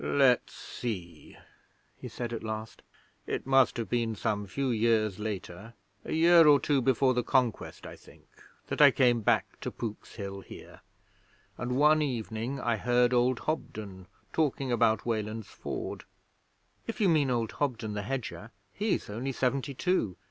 'Let's see,' he said at last. 'It must have been some few years later a year or two before the Conquest, I think that I came back to Pook's Hill here, and one evening I heard old Hobden talking about Weland's Ford.' 'If you mean old Hobden the hedger, he's only seventy two.